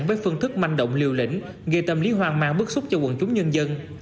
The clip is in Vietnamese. với phương thức manh động liều lĩnh gây tâm lý hoang mang bức xúc cho quần chúng nhân dân